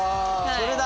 それだ。